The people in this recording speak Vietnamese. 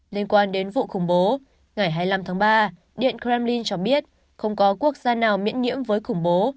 liên quan đến vụ khủng bố ngày hai mươi năm tháng ba điện kremlin cho biết không có quốc gia nào miễn nhiễm với khủng bố